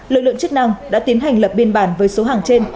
lực lượng chức năng đã tiến hành lập biên bản với số hàng trên